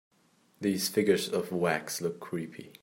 These figures of wax look creepy.